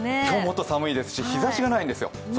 今日はもっと寒いですし、日ざしがないんですよ。